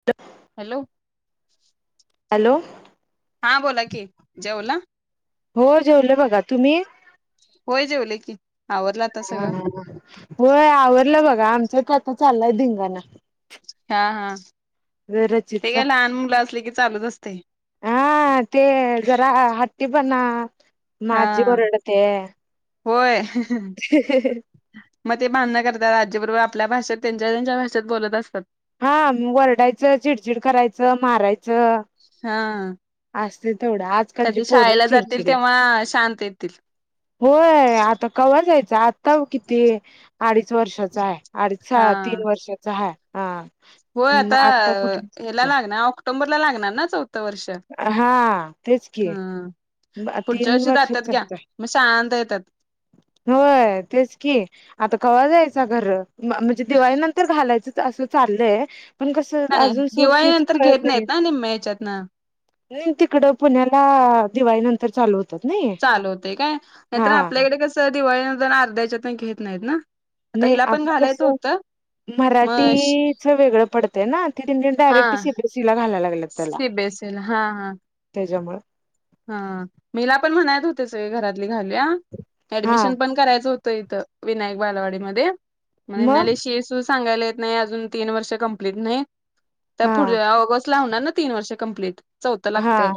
ह hello hello हां बोला की जेवला हो जेवलं बघा तुम्ही होज बले की आवरला आता हा सगळं होय आवरडलं बघा आमचच आता चाललंय धंगाणा हा हा ते रचितचा काय लहान मुलं असले की चालूच असते हा ते जरा हट्टी पण हा माझी ओरडते होय मग ते भांडण करतात आजीबरोबर आपल्या भाषेत त्यांच्या त्यांच्या भाषेत बोलत असतात हा म वरडायचं चिडचिड करायचं मारायचं हा असते तेवढं आज कधी शाळेला जातील तेव्हा शांत येतील होय आता कवर जायचं आता किती अडीच वर्षाचा आहे अडीच तीन वर्षाचा हा हा हो आता मग कुठे हला जायचं? लागणार ऑक्टोबरला लागणार ना चौथं वर्ष हा तेच ह की पुढच्या तीन वर्षी वर्षात जातात घ्या चालत मग शांत येतात होय तेच की आता कवा्हा जायचा घर म्हणजे दिवाळी नंतर घालायचं असं चाललंय पण कसं अजून सोशीच कळत नाही म्यायच्यात ना नाही तिकडं पुण्याला दिवाळी नंतर चालू होत चाल होते काय नाहीतर आपल्याकडे कसं दिवाळीनंतर अर्ध्याच्यात घेत नाहीत ना आता हिला पण घालायचं होत मराठीचं वेगळं पडतं ना ते तच्या डायरेक्ट सीबीएसई ला घायला लागलत सीबीएसई हा हा त्याच्यामुळे हा मीला पण म्हणात होते सगळे घरातले घालूया हा ऍडमिशन पण करायचं होतं इथं विनायक बालवाडीमध्ये म्हण म्हणाले मग शीसू सांगायला येत नाही अजून तीन वर्ष कंप्लीट नाहीत त्या हा पुढ ऑगस्ट ला होणार ना तीन वर्ष कंप्लीट चौथं हा लागते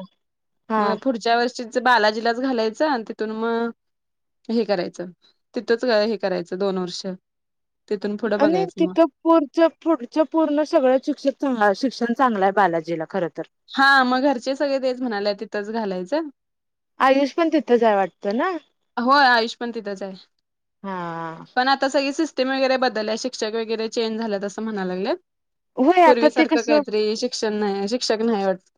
हा मग पुढच्या वर्षीच बालाजीलाच घालायचं तिथून मग हे करायचं तिथंच हे करायचं दोन वर्ष तिथून पुढं आणि बघायचं मग तिथं पुढच्या पुढच्या पूर्ण सगळं शिक्षक शिक्षण चांगलं आहे बालाजीला खर तर हा मग घरचे सगळे तेच म्हणाले तिथंच घालायचं आयुष पण तिथंचय वाटतं ना हो आयुष पण तिथंच आहे हा पण आता सगळी सिस्टम वगैर बदल आहे शिक्षक वगैरे चेंज झालेत असं म्हणाय लागलेत होय आता पूर्वी ते सारखं कसं काहीतरी शिक्षण नाही शिक्षक नाही वाटत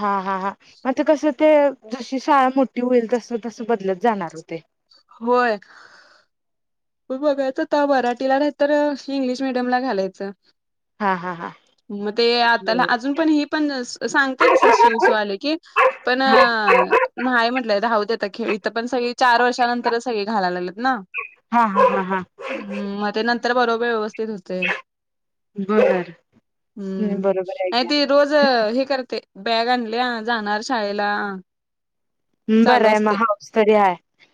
हा हा हा मग ते कसं ते जशी शाळा मोठी होईल तस तस बदलत जाणार होते वय प बघायचं त मराठीला नाही तर इंग्लिश मिीडियम ला घालायचं हा हा हा मग ते आ त्याला हा अजून पण ह पण सांगते तसं शिवजवाले की पण नाही म्हटलंय धावतेतता खेळी इथ पण सगळी चार वर्षानंतरच सगळी घायला लागलेत ना हा हा हा हां हम् मग ते नंतर बरोबर व्यवस्थित होते बर हम्म बरोबर आहे आणि की ते रोज हे करते बॅग आणली जाणार शाळेला चालू बरं आहे मग असते हाऊस तरी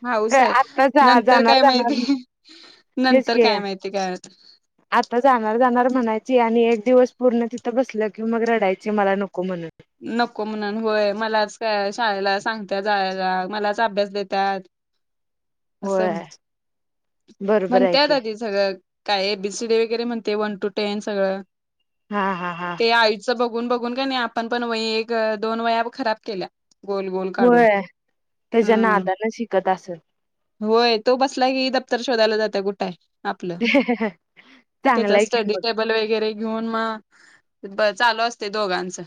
हाऊस आहे आता जा नंतर जाणार काय माहिती जाणार तेच नंतर की काय माहितीय काळात आता जाणार जाणार म्हणायची आणि एक दिवस पूर्ण तिथं बसलं की मग रडायची मला नको म्हणून नको म्हणून होय मलाच शाळेला सांगत जाला मलाच अभ्यास देतात असं होय म्ह बरोबर म्हणत आहे की दादी सगळं काय एबीसीडी वगैरे म्हणते वन टू टेन सगळं हा हा हा ते आईचं बघून बघून का नाही आपण पण वय एक, दोन वया खराब केल्या गोलबोल काढून होय त्याच्या हम्म नादानं शिकत असल होय तो बसला की दफ्तर शोधायला जाते कुठाय आपलं त्याच चांगलाय की स्टडी मग टेबल वगैरे घेऊन मग ब चालू असते दोघाचं.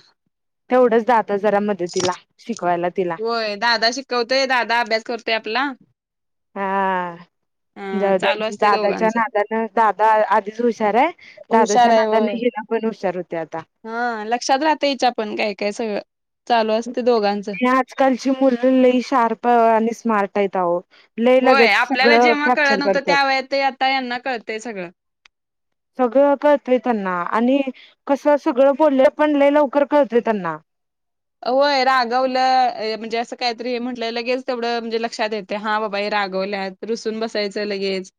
तेवढंच जात जारा मदतीला शिकवायला तिला होय दादा शिकवतोय दादा अभ्यास करतोय आपला हा अ जाऊ दे चालू असते दादाच्या दोघांचं. नादानं दादा आधीच हुशार आहे. हुशार दादाच्या आहे होय. नादाने घिला पण हुशार होते आता हा लक्षात राहते याच्या पण काय काय सगळं चालू असते दोघांचं कालची मुलली शार्प आणि स्मार्ट आहेत अहो. होय आपल्याला जेव्हा कळत नव्हतं करतात त्या वळेत आता यांना कळतय सगळं सगळं करतय त्यांना आणि कसं सगळं पोलले पणले लवकर कळते त्यांना होय रागवलं म्हणजे असं काहीतरी हे म्हटलंय लगेच तेवढं म्हणजे लक्षात येते हा बाबा हे रागवल्या रुसून बसायचं लगेच.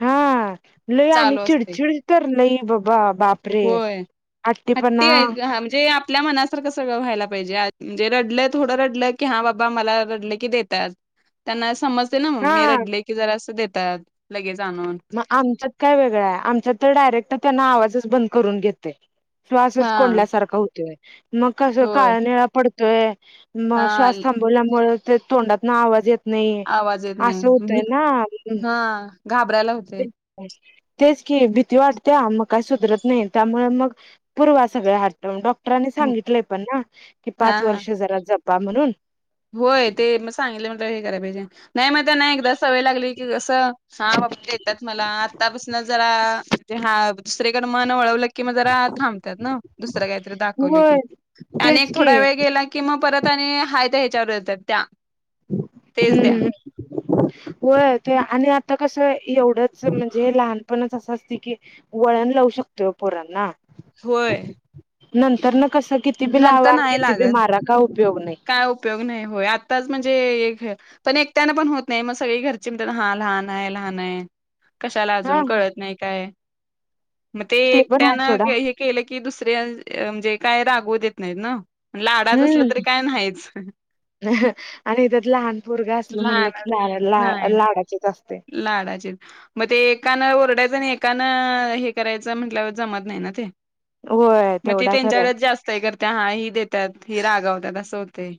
हा ल आणि आणि चालू असते. चिडचिड तर लई बाबा बापरे होय. हट्टीपणा हट्टी आहेत हा म्हणजे आपल्या मनासार कसळं व्हायला पाहिजे म्हणजे रडलं थोडं रडलं की हा बाबा मला रडलं की देतात. त्यांना समजते ना मग मी हा रडले की जरा असं देतात लगेच आणून मग आमच्यात काय वेगळां आहे आमच्या तर डायरेक्ट त्यांना आवाजच बंद करून घेते. श्वासच हा कोंडल्यासारखा होतोय मग कस होय काळ निळा पडतोय. हा मग श्वास थांबवल्यामुळे ते तोंडातून आवाज येत. नाही आवाज येत असं नाही होतय भी ना. हा. घाबरायला होत. ह [unintelligible] तेच कि भीती वाटते मग काही सुधरत नाही त्यामुळे मग पूर्वा सगळ ह डॉक्टरांनी सांगितलंय पण ना की हा पाच हा वर्ष जरा जपबा म्हणून होय ते म सांगितले म्हट हे करायला पाहिजे नाही मग त्यांना एकदा सवय लागली की कसं हा बा येतात मला आत्तापसून जरा म्हणजे हा दुसरेकड मन वळवलं कि मग जरा थांबतात ना दुसरं काहीतरी दाखवलं होय की आणि एक तेच की थोडा वेळ गेला किं म परत आणि हाय तर हायत्या यांच्यावर येतात त्या तेच हम्म द्या. हम्म. होय ते आणि आता कसं एवढंच म्हणजे लहानपणच असं असते की वळण लावू शकतोय पोरांना होय. नंतर ना कसं किती बी लावा नंतर आणि नाही किती बी लागत मारा का उपयोग नाही. काय उपयोग नाही होय आत्ताच म्हणजे एक पण एकट्याना पण होत नाही मग सगळी घरची म्हण हा लहान आहे, लहान आहे. कशाला हा अजून कळत नाही काय. मग ते पण आहे एकट्यानं सोडा हे केलं की दुसर्या म्हणजे काय रागव देत नाहीत ना लाडाच असला तरी हम्म काय नाहीच. आणि त्याच्यात लहान पोरग असल म्हणलं लहान की लाड ला नाही लाडाचेच असते. लाडाचे. मग ते एकानं ओरडायचं आणि एकानं हे करायचं म्हटलं जमत नाही ना ते होय मग ते तेवढा खराय त्यांच्याकडेच जास्त आहे करते हा ही देतात ही रागावतात असं होते.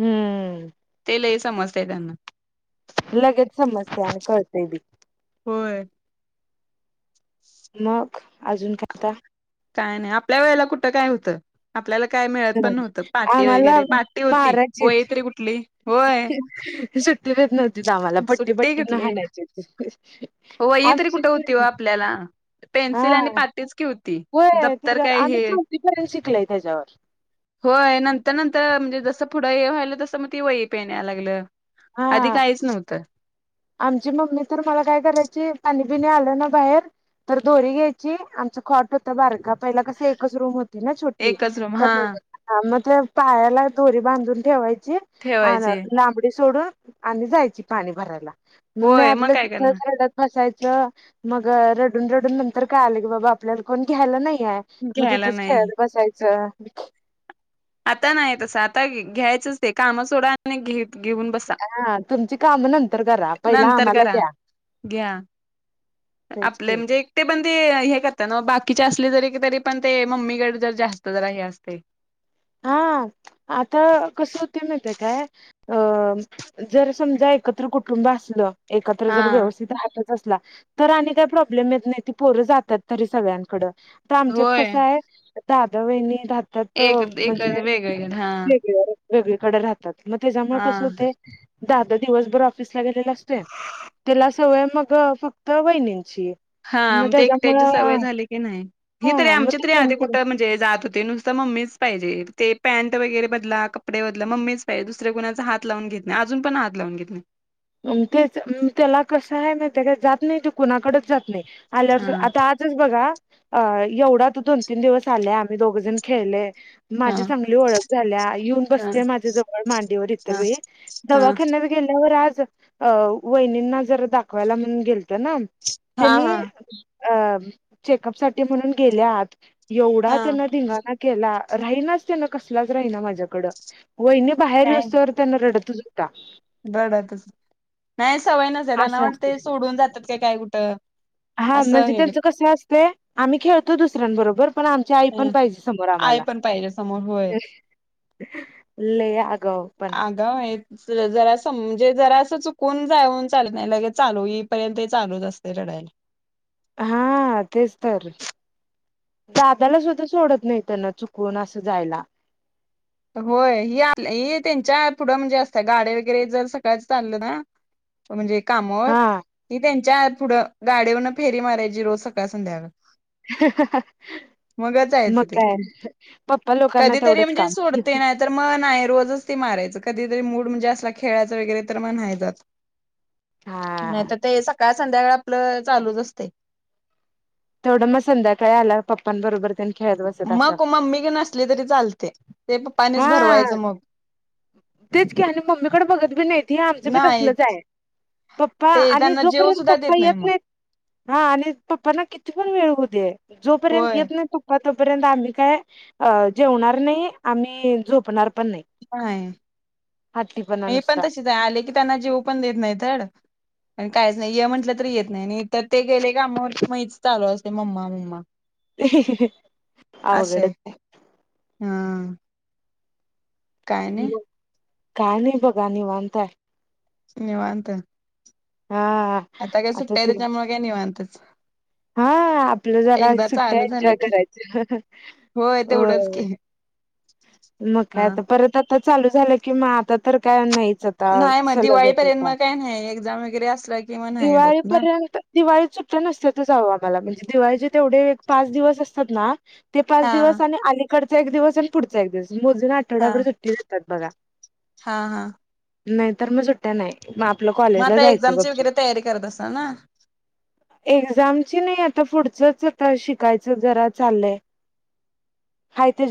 हम्म. ते समजते त्यांना लगेच समजतय आणि कळतं बी होय मग अजून खता काय नाही आपल्या वेळेला कुठं काय होतं आपल्याला काय मिळत पण नव्हतं पार्टी आम्हाला वगैरे पार्टी होती हो य मारायचीत त रे कुठली होय सुट्टी देत नव्हतीच आम्हाला पट्टी पट्टी न हालायची हो होय हे तरी कुठे होती व आपल्याला पेन्सिल हा आणि पाटी क होती होय दप्तर त्याच्यात काय आम्ही हे चौथीपर्यंत शिकलोय त्याच्यावर होय नंतर नंतर म्हणजे जसं पुढं हे व्हायलं तसं मग ती वही पेन यायला लागलं आधी हा काहीच नव्हतं आमची मम्मी तर मला काय करायची पाणी बिणी आलं ना बाहेर तर दोरी घ्यायची आमचं खॉट होतं बारका पहिला कस एकच रूम होती ना छोटी एकच रूम हा तर ह मग त्या पायाला दोरी बांधून ठेवायची ठेवायचे लाब सोडून आणि जायची पाणी भरायला मग मी होय आपल्या काय करणार कसायचं मग रडून रडून नंतर काय आलं की बाबा आपल्याला कोण घ्यायला नाहीय मग घ्यायला तिथंच नाही खेळत बसायचं आता नाही तसं आता घ्यायचंच ते काम सोडा आणि घे घेऊन बसा हा तुमची काम नंतर करा पहिला नंतर आम्हाला करा घ्या घ्या तेच आपले की म्हणजे ते पण ते हे करतात ना बाकीचे असले जरी तरी पण ते मम्मीकडे जर जास्त जरा हे असते हा आता कसं हो ते माहिती काय अ जर समजा एकत्र कुटुंब असलं एकत्र हा जर व्यवस्थित राहत असतील तर आणि काही प्रॉब्लेम येत नाही त पोर जातात तरी सगळ्यांकड तर आमच्यात होय कसं आहे दादा वहिणी राहतात एक एक म्हणजे वेगवेगळ हा वेगळीकडे राहतात मग त्याच्यामुळे हा कसं होते दादा दादा दिवसभर ऑफिस ऑफिसला गेलेला असतोय त्याला सवय मग फक्त वहिणींची हा ते एकट्याची सवय झाली की नाही ही तरी हा मग आमची ते तरी आधी कोणी कुठं म्हणजे जे जात हो ते नुसतं मम्मीच पाहिजे ते पॅट वगैरे बदला कपडे बदला मम्मी दुसऱ्या कुणाचा हात लावून घेत नाही अजून पण हात लावून घेत नाही तेच त्याला कसं आहे त्या जात नाही ते कुणाकडेच जात नाही आल्या हा आता बघा एवढा तू दोन तीन दिवस आले आम्ही दोघ जण खेळले हा माझी चांगली ओळख झाल्या येऊन हा बसते माझ्या जवळ मांडीवर इतर वे हा दवाखान्या गेल्यावर आज अ वहिनींना जर दाखवायला म्हणून गेलत ना हा त्यांनी हा अ चेकअप साठी म्हणून गेले आत एवढा हा त्यांना धिंगाणा केला राहिनाच त्यांना कसलाच राहीना माझ्याकडं होईने बाहेर नाही व्यवस्तवर त्यांना रडतच होता रडतच नाही सवय नसे त्यांना असं असतंय वाटते सोडून जातात काय काय कुठं हा असं म्हणजे हे त्यांचं करतात. कसं असते आम्ही खेळतो दुसऱ्यांबरोबर पण आम आई पण हं. पाहिजे समोर आई आम्हाला पण पाहिजे समोर होय लय आगावपण गाव आहेत जरा असं म्हणजे जरा असं चुकून जाऊन चालत नाही लगे चालू येईपर्यंत चालूच असते रडायला हा तेच तर दादाला सुद्धा सोडत नाही त्यांना चुकून असं जायला होय ही त्यांच्या पुढं म्हणजे असतं गाड वगैरे जर सकाळ चाललं ना म्हणजे कामवर हा ती त्यांच्या पुढं गाडीवरून फेरी मारायची रोज सकाळ संध्याकाळ मगच मग जायचं ते काय पप्पा लोकांना कधीतरी तेवढंच म्हणजे काम सोडते तर मन आहे रोजच ती मारायच कधीतरी मूड म्हणजे असला खेळायचं वगैरे तर म्हणायच नाही हा तर ते सकाळ संध्याकाळ आपलं चालूच असते तेथोडं मग संध्याकाळी आला पप्पांबरोबर खेळ मग मम्मी क नसली तरी चालते ते हा पप्पानेच भरवायचं मग तेच की आणि मम्मीकडे बघत बी नाही हे आमचं बी नाही तसलंच आहे पप्पा ते आणि त्यांना जेव जोपर्यंत सुद्धा पप्पा देत येत मग नाही हा आणि पप्पना किती पण वेळ होऊ दे जोपर्यंत होय येत नाही तो तोपर्यंत आम्ही काय अ जेवणार नाही आम्ही झोपणार पण नाही नाही हट्टीपणा हे पण नुसता तसेच आले की त्यांना जेव पण देत नाही तर आणि काहीच नाही य म्हटलं तर येत नाही आणि तर ते गेले कामावरती महीच चालू असते मम्मा मम्मा आवघड असंय हा काय नाही काणी बघा नि वाताय नि वाता हा आता काय सुट्टय त्याच्यामुळे काय नाही म्हनतच हा आपलं जरा एकदा सुट्ट्या चालू झालं एन्जॉय की करायचं होय तेवढंच की मग हा कायता परत आता चालू झालं कि म आता तर काय नाहीच नाही मग सलगच दिवाळीपर्यंत होता मग काही नाही एक्झाम वगैरे असला कि मग नाही होत ना दिवाळीपर्यंत दिवाळी सुट्ट्या नसत्याचवं आ मला म्हणजे दिवाळीचे तेवढे एक पाच दिवस असतात ना ते पाच हा दिवस आणि अलीकडचा एक दिवस आणि पुढचा एक दिवस मोजून हा आठवड्याभर सुट्टी जातात बघा हा हा नाही तरर मग सुट्ट्या नाही मग आपलं मग कॉलेजला आता जायचं एक्झामची कब्जी वगैरे तयारी करत असाल ना एक्झामची नाही आता पुढचच आता शिकायचं जरा चाललंय खा ते